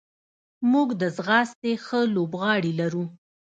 موږ د ځغاستې ښه لوبغاړي لرو.